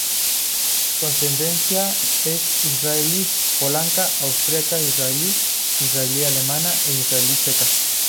Su ascendencia es israelí-polaca, austriaca-israelí, israelí-alemana e israelí-checa.